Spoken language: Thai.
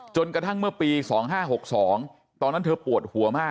กระทั่งเมื่อปี๒๕๖๒ตอนนั้นเธอปวดหัวมาก